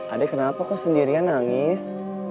adek kenapa kok sendirian nangis